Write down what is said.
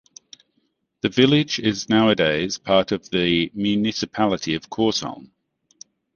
The village is nowadays part of the municipality of Korsholm.